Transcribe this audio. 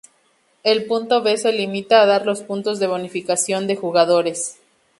El punto B se limitan a dar los puntos de bonificación de jugadores.